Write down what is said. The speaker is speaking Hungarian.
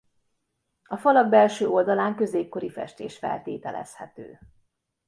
A falak belső oldalán középkori festés feltételezhető.